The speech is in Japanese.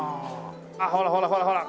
あっほらほらほらほら。